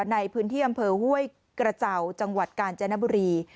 ในพื้นที่อำเภอห้วยกระเจ้าจังหวัดกาญจนบุรี